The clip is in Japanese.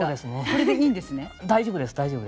これでいいんですね。